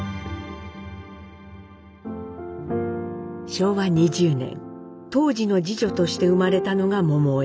昭和２０年東二の次女として生まれたのが桃枝。